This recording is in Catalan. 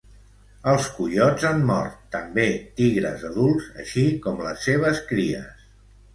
Els coiots han mort, també tigres adults, així com les seves cries.